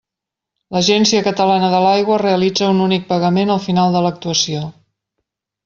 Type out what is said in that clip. L'Agència Catalana de l'Aigua realitza un únic pagament al final de l'actuació.